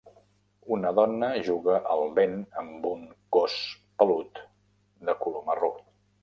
Una dona juga al vent amb un gos pelut de color marró